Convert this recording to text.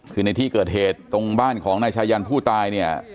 คือในที่เกิดเหตุตรงบ้านของนายชายันผู้ตายเนี่ย